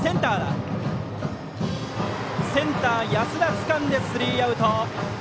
センター、安田つかんでスリーアウト。